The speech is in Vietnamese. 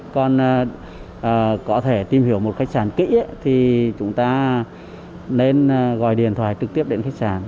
còn có thể tìm hiểu một khách sạn kỹ thì chúng ta nên gọi điện thoại trực tiếp đến khách sạn